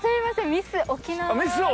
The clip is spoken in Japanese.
ミス沖縄。